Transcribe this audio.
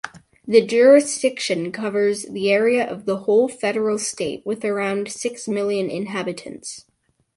The jurisdiction covers the area of the whole federal state with around six million inhabitants.